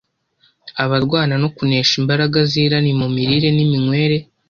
Abarwana no kunesha imbaraga z’irari mu mirire n’iminywere